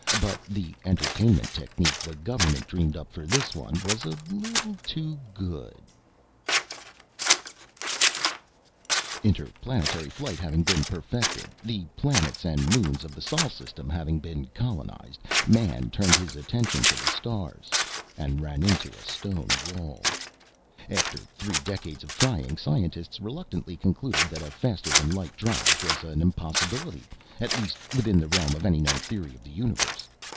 but the entertainment technique the government dreamed up for this one was a leeetle too good...! NORMAN SPINRAD Illustrated by Leo Summers Interplanetary flight having been perfected, the planets and moons of the Sol system having been colonized, Man turned his attention to the stars. And ran into a stone wall. After three decades of trying, scientists reluctantly concluded that a faster than light drive was an impossibility, at least within the realm of any known theory of the Universe.